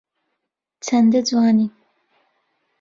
چەندە جوانی